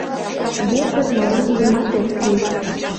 Весын мылам нимат ок кӱл.